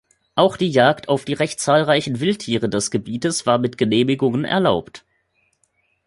Auch die Jagd auf die recht zahlreichen Wildtiere des Gebietes war mit Genehmigungen erlaubt.